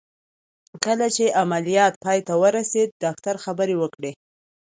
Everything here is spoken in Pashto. کله چې عمليات پای ته ورسېد ډاکتر خبرې وکړې.